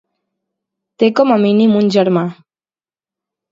Té com a mínim un germà.